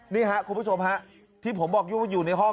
นี่ครับคุณผู้ชมฮะที่ผมบอกอยู่ในห้อง